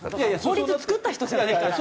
法律作った人じゃないから。